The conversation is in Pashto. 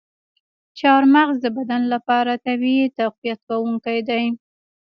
چارمغز د بدن لپاره طبیعي تقویت کوونکی دی.